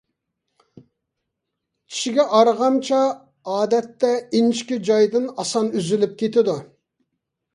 چىگە ئارغامچا ئادەتتە ئىنچىكە جايدىن ئاسان ئۈزۈلۈپ كېتىدۇ.